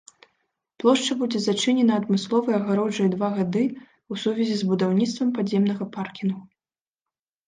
Плошча будзе зачынена адмысловай агароджай два гады ў сувязі з будаўніцтвам падземнага паркінгу.